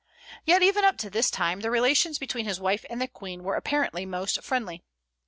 Yet even up to this time the relations between his wife and the Queen were apparently most friendly.